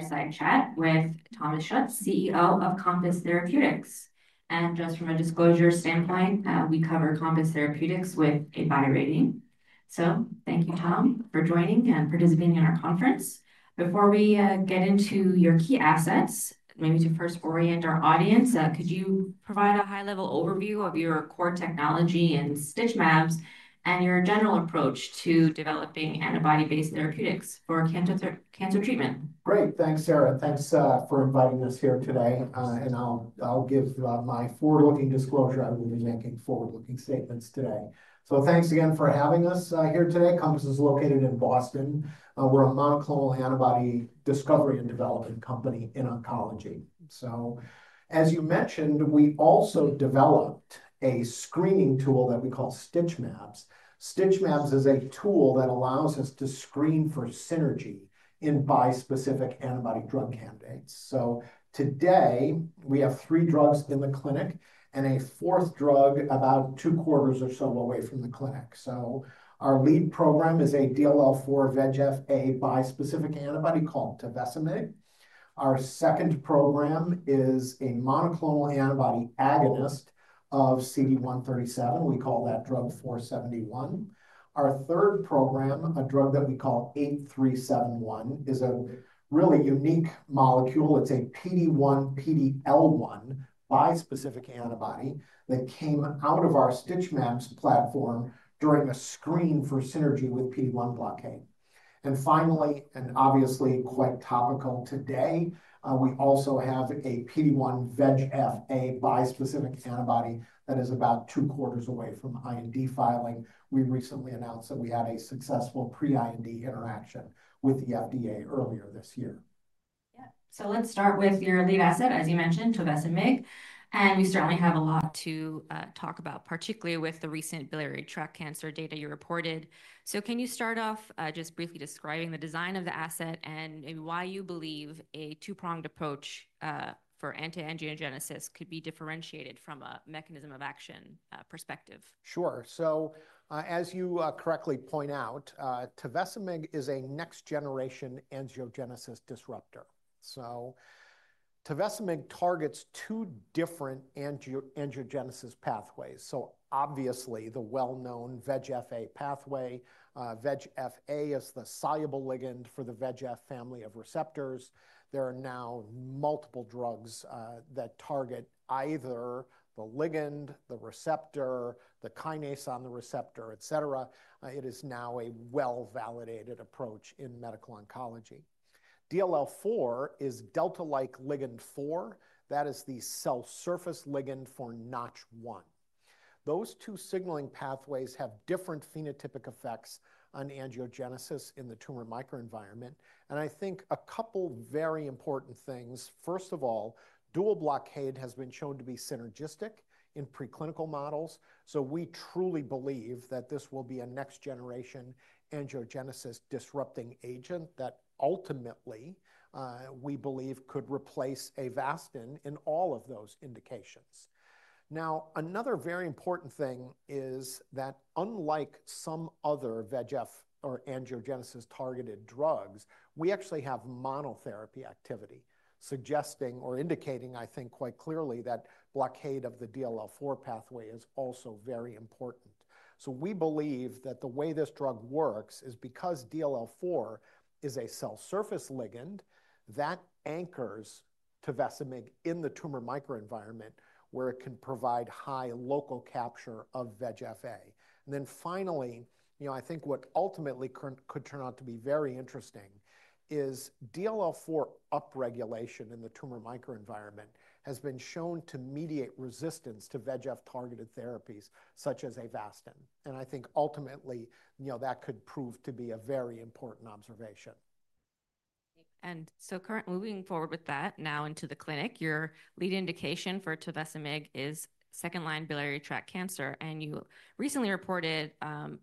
Fireside chat with Thomas Schuetz, CEO of Compass Therapeutics. Just from a disclosure standpoint, we cover Compass Therapeutics with a Buyer Rating. Thank you, Tom, for joining and participating in our conference. Before we get into your key assets, maybe to first orient our audience, could you provide a high-level overview of your core technology and StitchMabs, and your general approach to developing antibody-based therapeutics for cancer treatment? Great. Thanks, Sarah. Thanks for inviting us here today. I'll give my forward-looking disclosure. I will be making forward-looking statements today. Thanks again for having us here today. Compass is located in Boston. We're a monoclonal antibody discovery and development company in oncology. As you mentioned, we also developed a screening tool that we call StitchMabs. StitchMabs is a tool that allows us to screen for synergy in bispecific antibody drug candidates. Today, we have three drugs in the clinic and a fourth drug about two quarters or so away from the clinic. Our lead program is a DLL4 VEGF-A bispecific antibody called Tovecimig. Our second program is a monoclonal antibody agonist of CD137. We call that drug 471. Our third program, a drug that we call 8371, is a really unique molecule. It's a PD-1 x PD-L1 bispecific antibody that came out of our StitchMabs platform during a screen for synergy with PD-1 blockade. Finally, and obviously quite topical today, we also have a PD-1 x VEGF-A bispecific antibody that is about two quarters away from IND filing. We recently announced that we had a successful pre-IND interaction with the FDA earlier this year. Yeah. Let's start with your lead asset, as you mentioned, Tovecimig. We certainly have a lot to talk about, particularly with the recent biliary tract cancer data you reported. Can you start off just briefly describing the design of the asset and maybe why you believe a two-pronged approach for anti-angiogenesis could be differentiated from a mechanism of action perspective? Sure. As you correctly point out, Tovecimig is a next-generation angiogenesis disruptor. Tovecimig targets two different angiogenesis pathways. Obviously, the well-known VEGF-A pathway. VEGF-A is the soluble ligand for the VEGF family of receptors. There are now multiple drugs that target either the ligand, the receptor, the kinase on the receptor, et cetera. It is now a well-validated approach in medical oncology. DLL4 is delta-like ligand 4. That is the cell surface ligand for Notch 1. Those two signaling pathways have different phenotypic effects on angiogenesis in the tumor microenvironment. I think a couple of very important things. First of all, dual blockade has been shown to be synergistic in preclinical models. We truly believe that this will be a next-generation angiogenesis disrupting agent that ultimately we believe could replace Avastin in all of those indications. Now, another very important thing is that unlike some other VEGF or angiogenesis targeted drugs, we actually have monotherapy activity, suggesting or indicating, I think quite clearly, that blockade of the DLL4 pathway is also very important. We believe that the way this drug works is because DLL4 is a cell surface ligand that anchors Tovecimig in the tumor microenvironment where it can provide high local capture of VEGF-A. Finally, you know, I think what ultimately could turn out to be very interesting is DLL4 upregulation in the tumor microenvironment has been shown to mediate resistance to VEGF targeted therapies such as Avastin. I think ultimately, you know, that could prove to be a very important observation. Currently moving forward with that now into the clinic, your lead indication for Tovecimig is second-line biliary tract cancer. You recently reported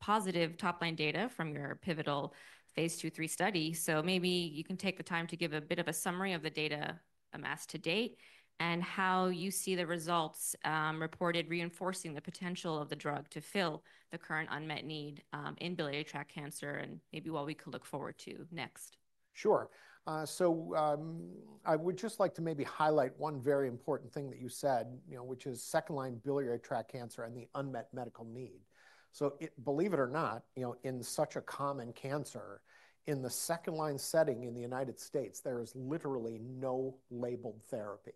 positive top-line data from your pivotal phase II/III study. Maybe you can take the time to give a bit of a summary of the data amassed to date and how you see the results reported reinforcing the potential of the drug to fill the current unmet need in biliary tract cancer and maybe what we could look forward to next. Sure. I would just like to maybe highlight one very important thing that you said, you know, which is second-line biliary tract cancer and the unmet medical need. Believe it or not, you know, in such a common cancer, in the second-line setting in the U.S., there is literally no labeled therapy.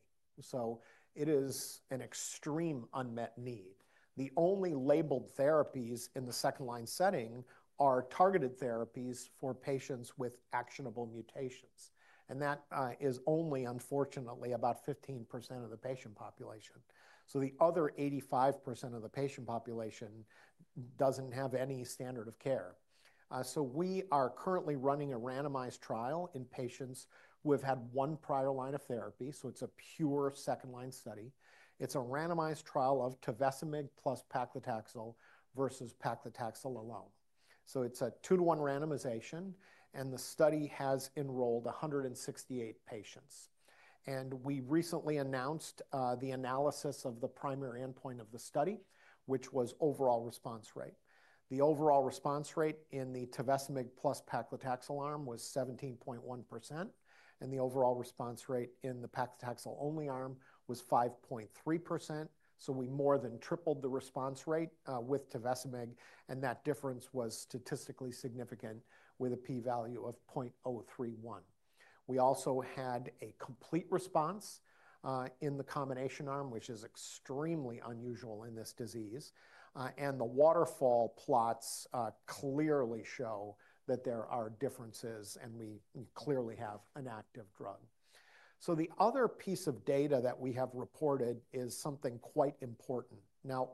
It is an extreme unmet need. The only labeled therapies in the second-line setting are targeted therapies for patients with actionable mutations. That is only, unfortunately, about 15% of the patient population. The other 85% of the patient population does not have any standard of care. We are currently running a randomized trial in patients who have had one prior line of therapy. It is a pure second-line study. It is a randomized trial of Tovecimig plus paclitaxel versus paclitaxel alone. It is a two-to-one randomization. The study has enrolled 168 patients. We recently announced the analysis of the primary endpoint of the study, which was overall response rate. The overall response rate in the Tovecimig plus paclitaxel arm was 17.1%. The overall response rate in the paclitaxel-only arm was 5.3%. We more than tripled the response rate with Tovecimig. That difference was statistically significant with a p-value of 0.031. We also had a complete response in the combination arm, which is extremely unusual in this disease. The waterfall plots clearly show that there are differences, and we clearly have an active drug. The other piece of data that we have reported is something quite important.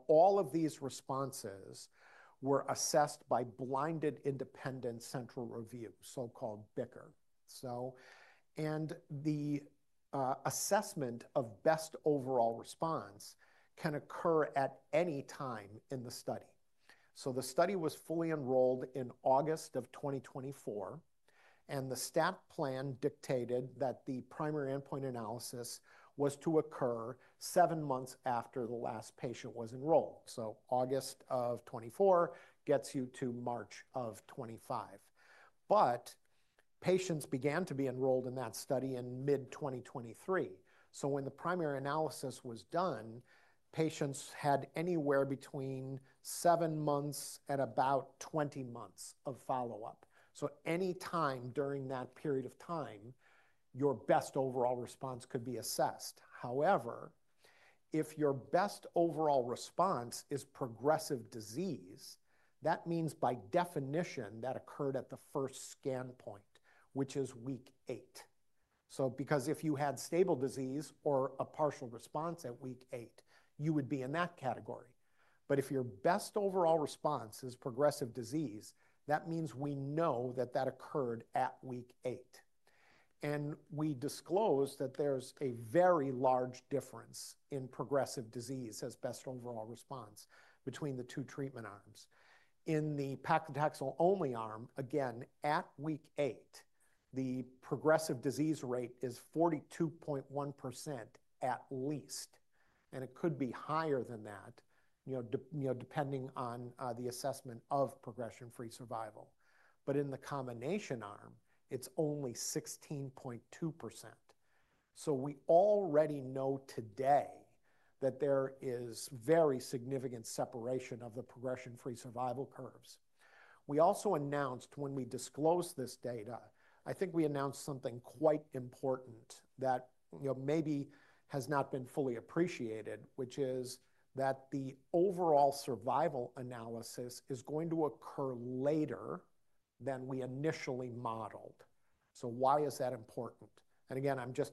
All of these responses were assessed by Blinded Independent Central Review, so-called BICR. The assessment of best overall response can occur at any time in the study. The study was fully enrolled in August of 2024. The staff plan dictated that the primary endpoint analysis was to occur seven months after the last patient was enrolled. August of 2024 gets you to March of 2025. Patients began to be enrolled in that study in mid-2023. When the primary analysis was done, patients had anywhere between seven months and about 20 months of follow-up. Anytime during that period of time, your best overall response could be assessed. However, if your best overall response is progressive disease, that means by definition that occurred at the first scan point, which is week eight. If you had stable disease or a partial response at week eight, you would be in that category. If your best overall response is progressive disease, that means we know that that occurred at week eight. We disclosed that there is a very large difference in progressive disease as best overall response between the two treatment arms. In the paclitaxel-only arm, again, at week eight, the progressive disease rate is 42.1% at least. It could be higher than that, you know, depending on the assessment of progression-free survival. In the combination arm, it is only 16.2%. We already know today that there is very significant separation of the progression-free survival curves. We also announced when we disclosed this data, I think we announced something quite important that, you know, maybe has not been fully appreciated, which is that the overall survival analysis is going to occur later than we initially modeled. Why is that important? I am just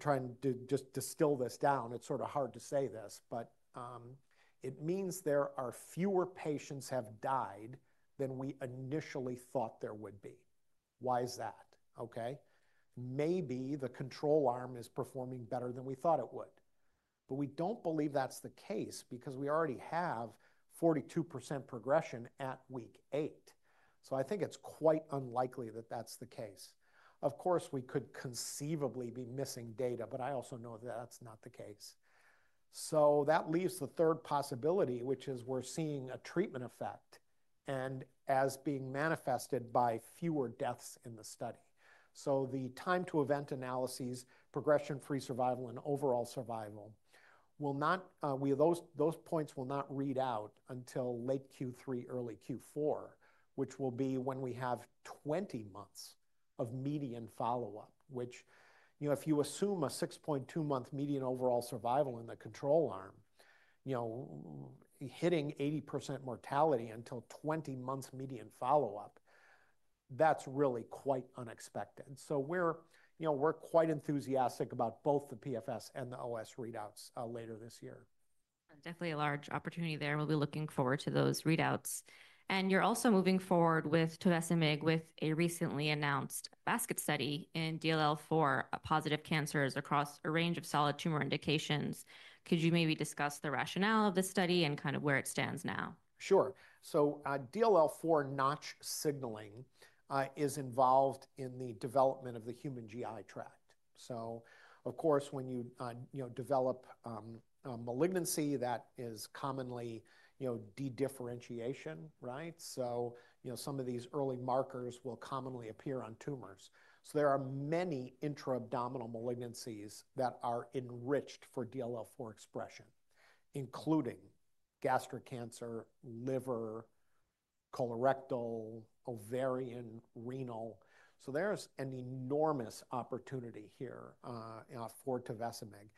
trying to just distill this down. It's sort of hard to say this, but it means there are fewer patients who have died than we initially thought there would be. Why is that? Okay. Maybe the control arm is performing better than we thought it would. We do not believe that's the case because we already have 42% progression at week eight. I think it's quite unlikely that that's the case. Of course, we could conceivably be missing data, but I also know that that's not the case. That leaves the third possibility, which is we're seeing a treatment effect and as being manifested by fewer deaths in the study. The time-to-event analyses, progression-free survival, and overall survival will not—those points will not read out until late Q3, early Q4, which will be when we have 20 months of median follow-up, which, you know, if you assume a 6.2-month median overall survival in the control arm, you know, hitting 80% mortality until 20 months median follow-up, that's really quite unexpected. We are, you know, we are quite enthusiastic about both the PFS and the OS readouts later this year. Definitely a large opportunity there. We'll be looking forward to those readouts. You're also moving forward with Tovecimig with a recently announced basket study in DLL4 positive cancers across a range of solid tumor indications. Could you maybe discuss the rationale of this study and kind of where it stands now? Sure. DLL4 Notch signaling is involved in the development of the human GI tract. Of course, when you, you know, develop a malignancy, that is commonly, you know, de-differentiation, right? You know, some of these early markers will commonly appear on tumors. There are many intra-abdominal malignancies that are enriched for DLL4 expression, including gastric cancer, liver, colorectal, ovarian, renal. There is an enormous opportunity here for Tovecimig.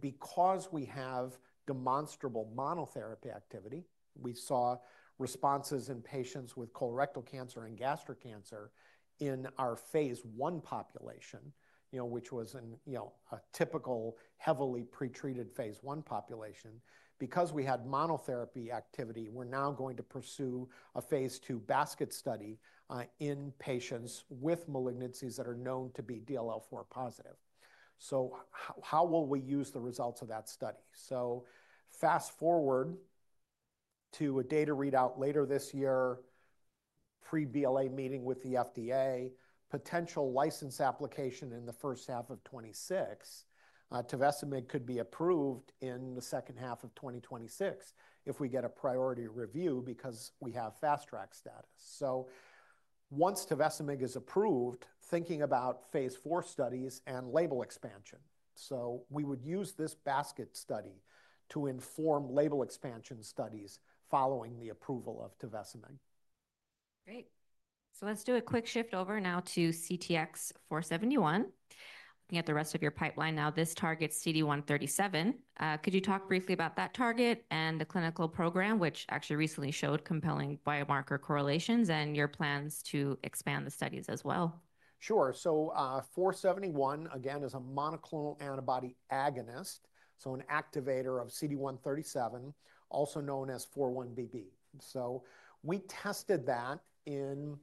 Because we have demonstrable monotherapy activity, we saw responses in patients with colorectal cancer and gastric cancer in our phase one population, which was in, you know, a typical heavily pretreated phase one population. Because we had monotherapy activity, we are now going to pursue a phase two basket study in patients with malignancies that are known to be DLL4 positive. How will we use the results of that study? Fast forward to a data readout later this year, pre-BLA meeting with the FDA, potential license application in the first half of 2026. Tovecimig could be approved in the second half of 2026 if we get a priority review because we have fast-track status. Once Tovecimig is approved, thinking about phase four studies and label expansion. We would use this basket study to inform label expansion studies following the approval of Tovecimig. Great. Let's do a quick shift over now to CTX-471. Looking at the rest of your pipeline now, this targets CD137. Could you talk briefly about that target and the clinical program, which actually recently showed compelling biomarker correlations and your plans to expand the studies as well? Sure. 471, again, is a monoclonal antibody agonist, so an activator of CD137, also known as 4-1BB. We tested that in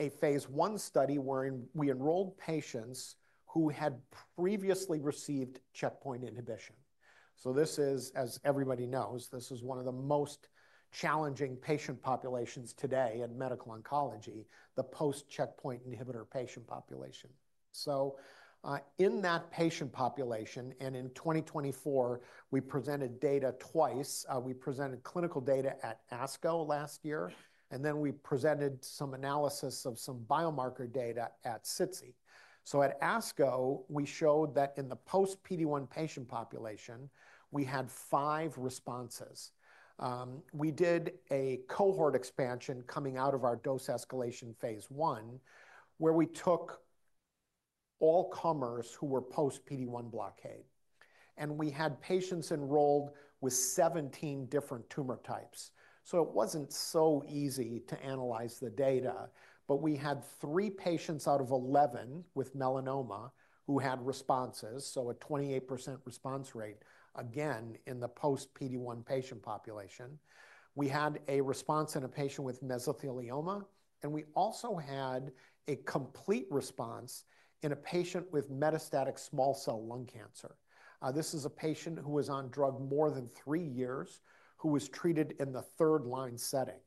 a phase I study where we enrolled patients who had previously received checkpoint inhibition. This is, as everybody knows, one of the most challenging patient populations today in medical oncology, the post-checkpoint inhibitor patient population. In that patient population, and in 2024, we presented data twice. We presented clinical data at ASCO last year. Then we presented some analysis of some biomarker data at SITSI. At ASCO, we showed that in the post-PD-1 patient population, we had five responses. We did a cohort expansion coming out of our dose escalation phase I, where we took all comers who were post-PD-1 blockade. We had patients enrolled with 17 different tumor types. It was not so easy to analyze the data, but we had three patients out of 11 with melanoma who had responses, so a 28% response rate, again, in the post-PD-1 patient population. We had a response in a patient with mesothelioma, and we also had a complete response in a patient with metastatic small cell lung cancer. This is a patient who was on drug more than three years, who was treated in the third-line setting.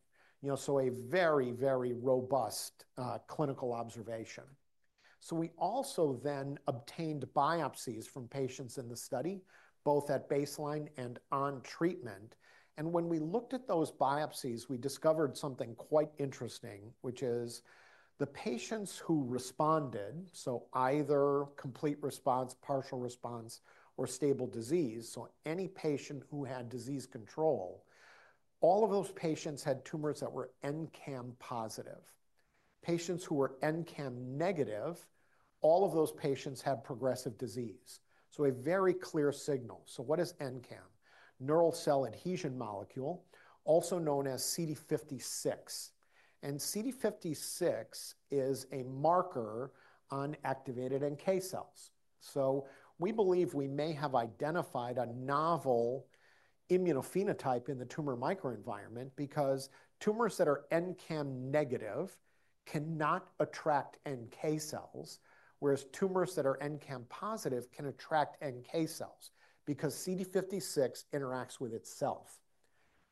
You know, a very, very robust clinical observation. We also then obtained biopsies from patients in the study, both at baseline and on treatment. When we looked at those biopsies, we discovered something quite interesting, which is the patients who responded, so either complete response, partial response, or stable disease, so any patient who had disease control, all of those patients had tumors that were NCAM positive. Patients who were NCAM negative, all of those patients had progressive disease. A very clear signal. What is NCAM? Neural cell adhesion molecule, also known as CD56. CD56 is a marker on activated NK cells. We believe we may have identified a novel immunophenotype in the tumor microenvironment because tumors that are NCAM negative cannot attract NK cells, whereas tumors that are NCAM positive can attract NK cells because CD56 interacts with itself.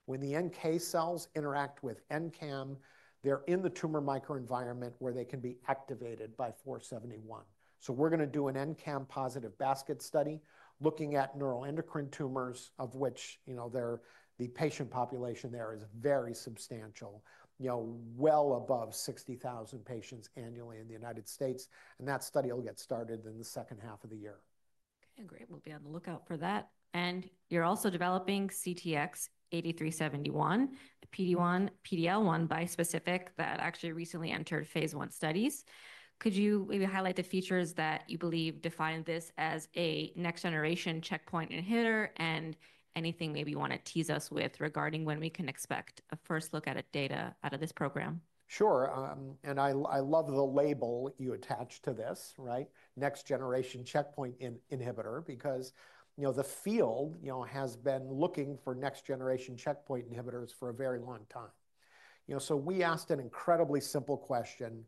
When the NK cells interact with NCAM, they're in the tumor microenvironment where they can be activated by 471. We're going to do an NCAM positive basket study looking at neuroendocrine tumors, of which, you know, the patient population there is very substantial, you know, well above 60,000 patients annually in the United States. That study will get started in the second 1/2 of the year. Okay. Great. We'll be on the lookout for that. You're also developing CTX-8371, the PD-1, PD-L1 bispecific that actually recently entered phase one studies. Could you maybe highlight the features that you believe define this as a next-generation checkpoint inhibitor and anything maybe you want to tease us with regarding when we can expect a first look at data out of this program? Sure. I love the label you attached to this, right? Next-generation checkpoint inhibitor, because, you know, the field, you know, has been looking for next-generation checkpoint inhibitors for a very long time. You know, we asked an incredibly simple question,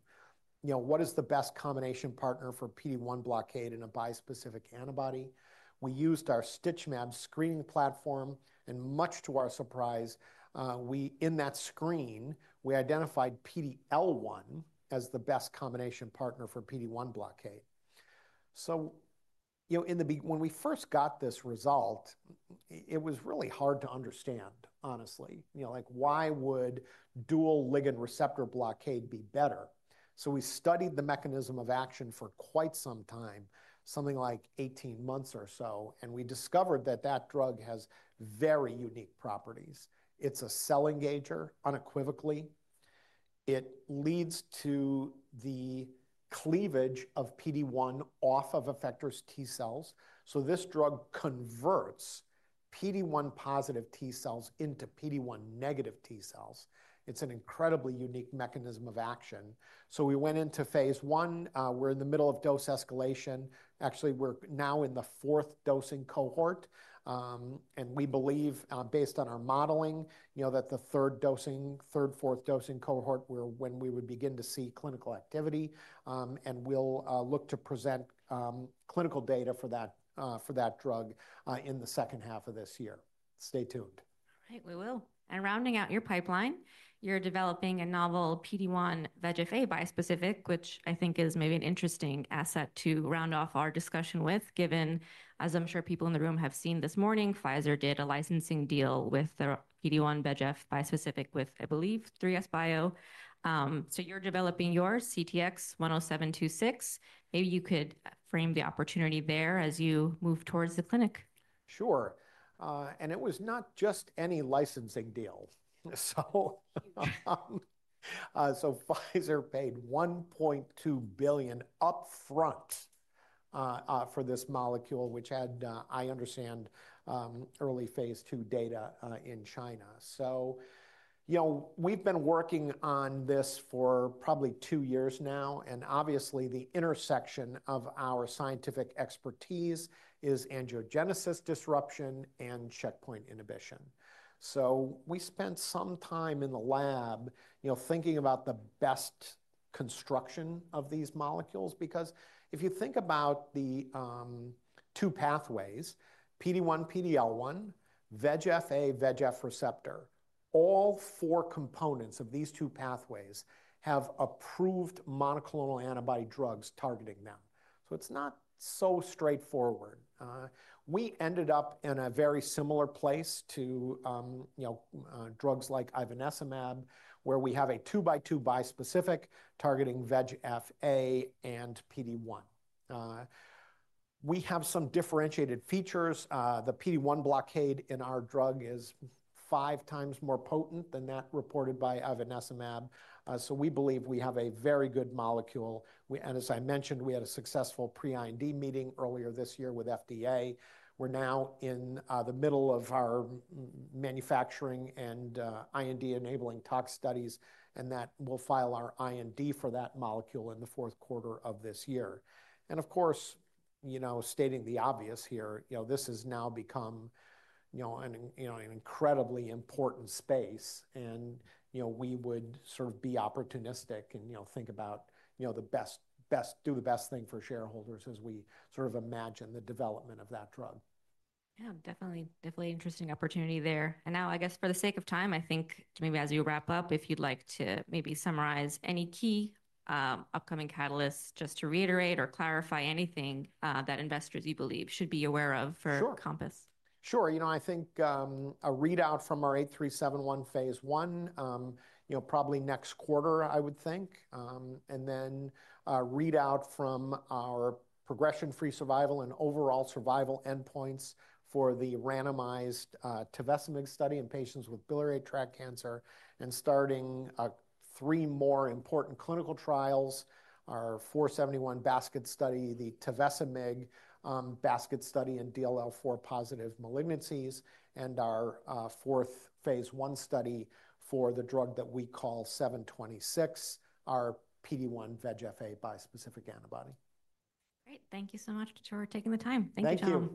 you know, what is the best combination partner for PD-1 blockade in a bispecific antibody? We used our Stitch Maps screening platform, and much to our surprise, in that screen, we identified PD-L1 as the best combination partner for PD-1 blockade. You know, when we first got this result, it was really hard to understand, honestly, you know, like why would dual ligand receptor blockade be better? We studied the mechanism of action for quite some time, something like 18 months or so, and we discovered that that drug has very unique properties. It's a cell engager unequivocally. It leads to the cleavage of PD-1 off of effector T cells. This drug converts PD-1 positive T cells into PD-1 negative T cells. It's an incredibly unique mechanism of action. We went into phase I. We're in the middle of dose escalation. Actually, we're now in the fourth dosing cohort. We believe, based on our modeling, you know, that the third, fourth dosing cohort, we're when we would begin to see clinical activity. We'll look to present clinical data for that drug in the second 1/2 of this year. Stay tuned. All right. We will. And rounding out your pipeline, you're developing a novel PD-1 VEGF-A bispecific, which I think is maybe an interesting asset to round off our discussion with, given, as I'm sure people in the room have seen this morning, Pfizer did a licensing deal with the PD-1 VEGF bispecific with, I believe, 3SBio. So you're developing your CTX-10726. Maybe you could frame the opportunity there as you move towards the clinic. Sure. It was not just any licensing deal. Pfizer paid $1.2 billion upfront for this molecule, which had, I understand, early phase II data in China. You know, we've been working on this for probably two years now. Obviously, the intersection of our scientific expertise is angiogenesis disruption and checkpoint inhibition. We spent some time in the lab, you know, thinking about the best construction of these molecules, because if you think about the two pathways, PD-1, PD-L1, VEGF-A, VEGF receptor, all four components of these two pathways have approved monoclonal antibody drugs targeting them. It is not so straightforward. We ended up in a very similar place to, you know, drugs like Ivonescimab, where we have a two-by-two bispecific targeting VEGF-A and PD-1. We have some differentiated features. The PD-1 blockade in our drug is five times more potent than that reported by Ivenesimab. We believe we have a very good molecule. As I mentioned, we had a successful pre-IND meeting earlier this year with FDA. We are now in the middle of our manufacturing and IND enabling tox studies, and we will file our IND for that molecule in the fourth quarter of this year. Of course, you know, stating the obvious here, you know, this has now become, you know, an incredibly important space. You know, we would sort of be opportunistic and, you know, think about, you know, the best, best, do the best thing for shareholders as we sort of imagine the development of that drug. Yeah, definitely, definitely interesting opportunity there. I guess for the sake of time, I think maybe as you wrap up, if you'd like to maybe summarize any key upcoming catalysts, just to reiterate or clarify anything that investors you believe should be aware of for Compass. Sure. Sure. You know, I think a readout from our 8371 phase one, you know, probably next quarter, I would think. A readout from our progression-free survival and overall survival endpoints for the randomized Tovecimig study in patients with biliary tract cancer. Starting three more important clinical trials, our 471 basket study, the Tovecimig basket study in DLL4 positive malignancies, and our fourth phase I study for the drug that we call 10726, our PD-1 VEGF-A bispecific antibody. Great. Thank you so much, for taking the time. Thank you